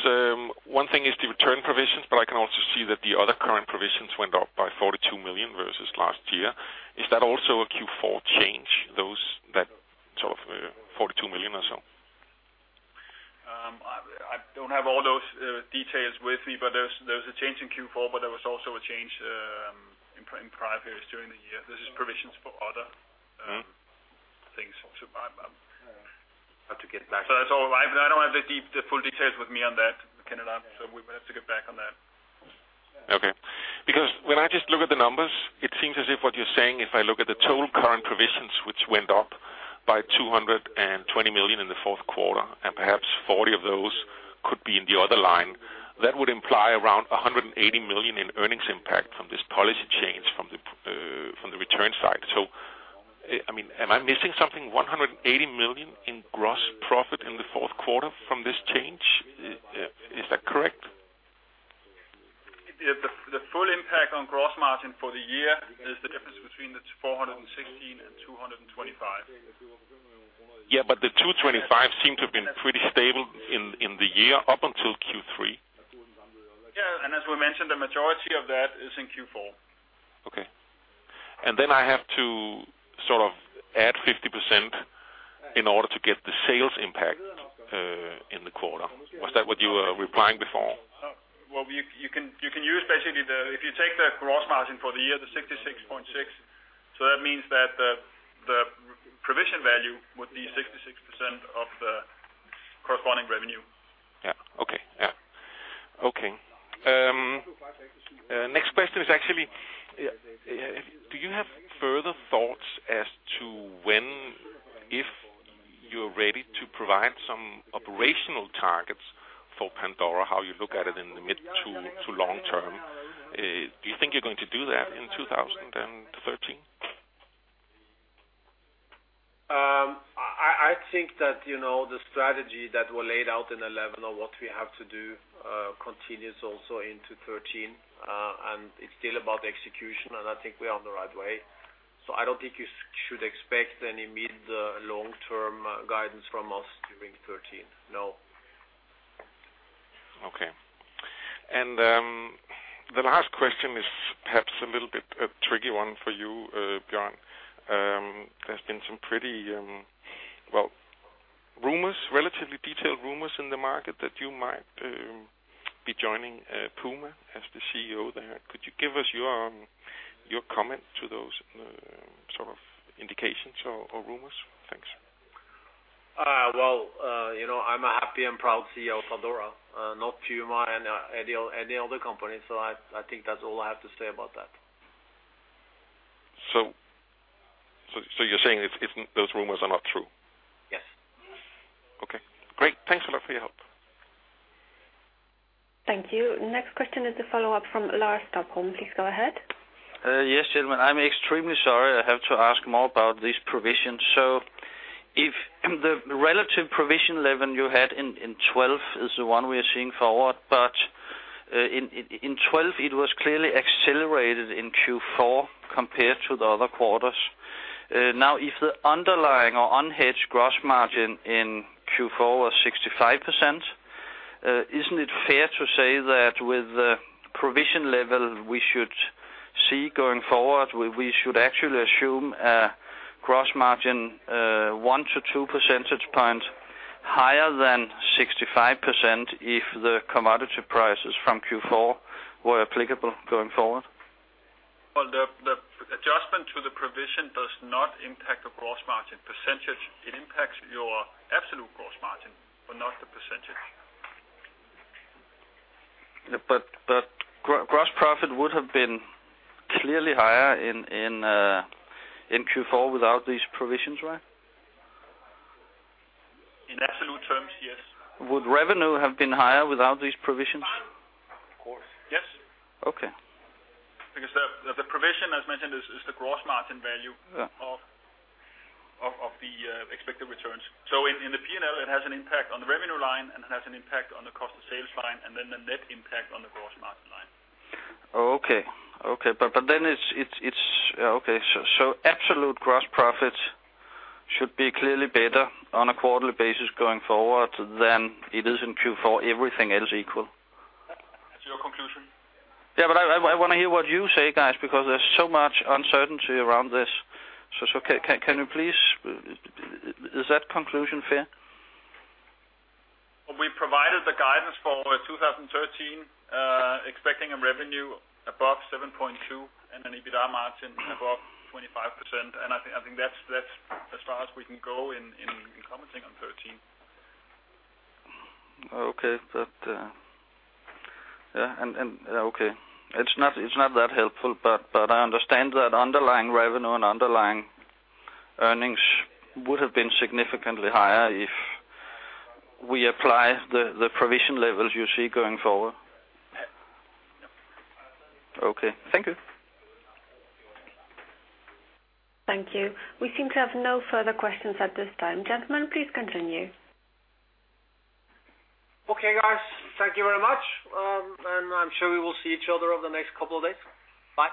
one thing is the return provisions. But I can also see that the other current provisions went up by 42 million versus last year. Is that also a Q4 change, that sort of 42 million or so? I don't have all those details with me. But there was a change in Q4. But there was also a change in prior periods during the year. This is provisions for other things. So, I have to get back to that. So that's all. I don't have the full details with me on that, Kenneth. So we will have to get back on that. Okay. Because when I just look at the numbers, it seems as if what you're saying, if I look at the total current provisions which went up by 220 million in the fourth quarter and perhaps 40 of those could be in the other line, that would imply around 180 million in earnings impact from this policy change from the return side. So I mean, am I missing something? 180 million in gross profit in the fourth quarter from this change? Is that correct? The full impact on Gross Margin for the year is the difference between the 416 and 225. Yeah. But the 225 seem to have been pretty stable in the year up until Q3. Yeah. And as we mentioned, the majority of that is in Q4. Okay. And then I have to sort of add 50% in order to get the sales impact in the quarter. Was that what you were replying before? Well, you can use basically the if you take the Gross Margin for the year, the 66.6. So that means that the provision value would be 66% of the corresponding revenue. Yeah. Okay. Yeah. Okay. Next question is actually do you have further thoughts as to when, if you're ready to provide some operational targets for Pandora, how you look at it in the mid to long term? Do you think you're going to do that in 2013? I think that the strategy that was laid out in 2011 or what we have to do continues also into 2013. It's still about execution. I think we are on the right way. So I don't think you should expect any mid-long-term guidance from us during 2013. No. Okay. The last question is perhaps a little bit a tricky one for you, Bjørn. There's been some pretty, well, relatively detailed rumors in the market that you might be joining Puma as the CEO there. Could you give us your comment to those sort of indications or rumors? Thanks. Well, I'm a happy and proud CEO of Pandora, not Puma and any other company. So I think that's all I have to say about that. So you're saying those rumors are not true? Yes. Okay. Great. Thanks a lot for your help. Thank you. Next question is a follow-up from Lars Topholm. Please go ahead. Yes, gentlemen. I'm extremely sorry. I have to ask more about these provisions. So the relative provision level you had in 2012 is the one we are seeing forward. But in 2012, it was clearly accelerated in Q4 compared to the other quarters. Now, if the underlying or unhedged gross margin in Q4 was 65%, isn't it fair to say that with the provision level we should see going forward, we should actually assume a gross margin 1-2 percentage points higher than 65% if the commodity prices from Q4 were applicable going forward? Well, the adjustment to the provision does not impact the gross margin percentage. It impacts your absolute gross margin but not the percentage. But gross profit would have been clearly higher in Q4 without these provisions, right? In absolute terms, yes. Would revenue have been higher without these provisions? Of course. Yes. Because the provision, as mentioned, is the gross margin value of the expected returns. So in the P&L, it has an impact on the revenue line. It has an impact on the cost of sales line. Then the net impact on the gross margin line. Okay. Okay. But then it's yeah. Okay. So absolute gross profit should be clearly better on a quarterly basis going forward than it is in Q4. Everything else equal. That's your conclusion? Yeah. But I want to hear what you say, guys, because there's so much uncertainty around this. So can you please is that conclusion fair? We provided the guidance for 2013 expecting a revenue above 7.2 billion and an EBITDA margin above 25%. I think that's as far as we can go in commenting on 2013. Okay. Yeah. Okay. It's not that helpful. But I understand that underlying revenue and underlying earnings would have been significantly higher if we apply the provision levels you see going forward. Okay. Thank you. Thank you. We seem to have no further questions at this time. Gentlemen, please continue. Okay, guys. Thank you very much. And I'm sure we will see each other over the next couple of days. Bye.